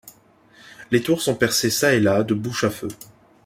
Les tours sont percées çà et là de bouches à feu.